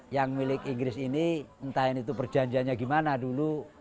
yang milik inggris ini entah itu perjanjiannya gimana dulu